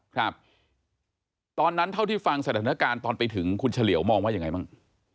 ครับตอนนั้นเท่าที่ฟังสถานการณ์ตอนไปถึงคุณเฉลี่ยวมองว่ายังไงบ้าง